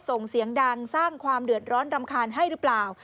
ส่งเสียงดังสร้างความเดือดร้อนรำคาญให้หรือเปล่า